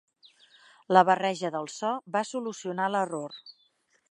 La barreja del so va solucionar l'error.